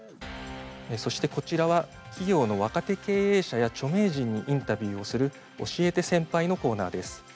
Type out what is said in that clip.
そしてこちらは企業の若手経営者や著名人にインタビューをする「教えて先輩！」のコーナーです。